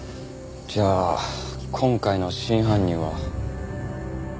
じゃあ今回の真犯人は。